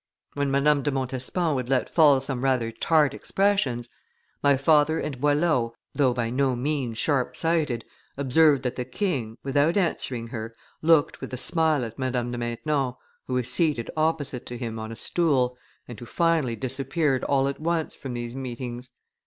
When Madame de Montespan would let fall some rather tart expressions, my father and Boileau, though by no means sharp sighted, observed that the king, without answering her, looked with a smile at Madame de Maintenon, who was seated opposite to him on a stool, and who finally disappeared all at once from these meetings.